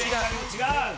違う？